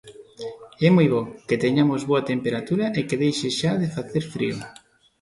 É moi bo, que teñamos boa temperatura e que deixe xa de facer frío.